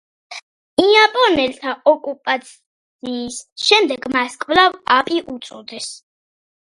იაპონელთა ოკუპაციის შემდეგ მას კვლავ აპი უწოდეს.